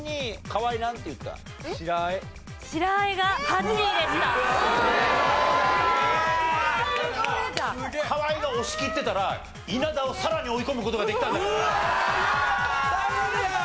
河井が押し切ってたら稲田をさらに追い込む事ができたんだけどな。